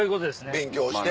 勉強して。